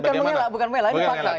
bukan mengelak bukan melak